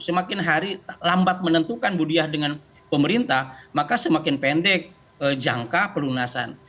semakin hari lambat menentukan budiah dengan pemerintah maka semakin pendek jangka pelunasan